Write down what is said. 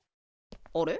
あれ？